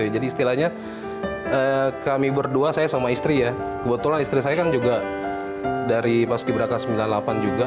jadi istilahnya kami berdua saya sama istri ya kebetulan istri saya kan juga dari pasuki beraka sembilan puluh delapan juga